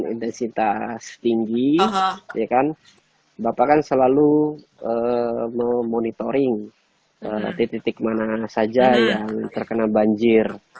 intensitas tinggi ya kan bapak kan selalu memonitoring titik mana saja yang terkena banjir